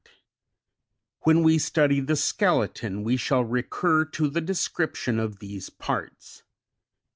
73 When we study the skeleton we shall recur to the description of these parts.